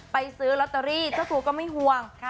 ซื้อลอตเตอรี่เจ้าตัวก็ไม่ห่วง